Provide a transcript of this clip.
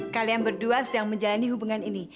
kalian berdua sedang menjalani hubungan ini